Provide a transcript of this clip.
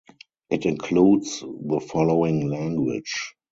It includes the following language.